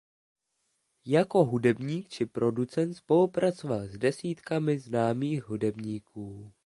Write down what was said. Jako hudebník či producent spolupracoval s desítkami známých hudebníků.